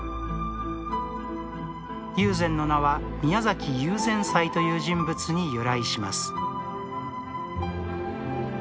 友禅の名は宮崎友禅斎という人物に由来します